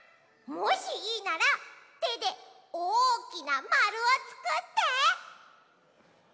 もしいいならてでおおきなまるをつくって。